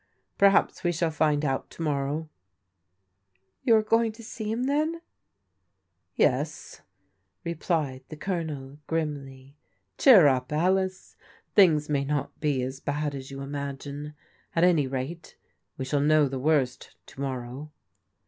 Perhaps we shall find out to morrow." " You are going to see him then ?"" Yes," replied the Colonel grimly. " Cheer up, Alice, things may not be as bad as you imagine. At any rate, we shall know the worst to morrow."